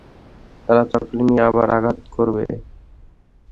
তারা চকলেট নিয়ে আবার আঘাত করবে!